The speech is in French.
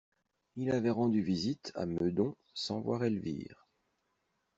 Il avait rendu visite, à Meudon, sans voir Elvire.